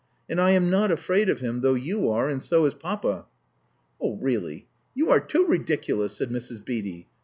And I am not afraid of him, though you are, and so is Papa." Oh, really you are too ridiculous," said Mrs. Beatty.